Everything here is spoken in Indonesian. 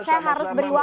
saya harus beri waktu